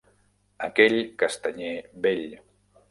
Aquell castanyer vell.